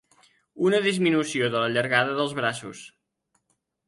Una disminució de la llargada dels braços.